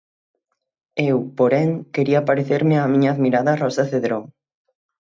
Eu, porén, quería parecerme á miña admirada Rosa Cedrón.